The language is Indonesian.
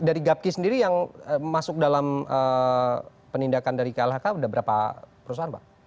dari gapki sendiri yang masuk dalam penindakan dari klhk sudah berapa perusahaan pak